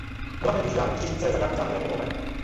Hromadné využívání řeřišnice za nějakým záměrem je nulové.